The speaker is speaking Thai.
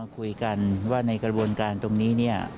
คุยกันว่าในกระบวนการตรงนี้เนี่ย